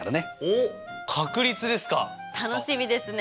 楽しみですね。